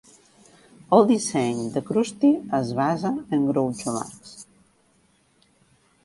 El disseny de Krusty es basa en Groucho Marx.